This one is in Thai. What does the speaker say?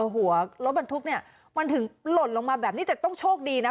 หัวรถบรรทุกเนี่ยมันถึงหล่นลงมาแบบนี้แต่ต้องโชคดีนะ